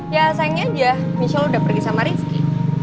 ya sayangnya aja michelle udah pergi sama rizky